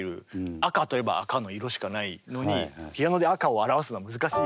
「赤」と言えば赤の色しかないのにピアノで「赤」を表すのは難しい。